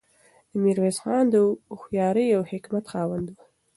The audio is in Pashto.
میرویس خان د هوښیارۍ او حکمت خاوند و.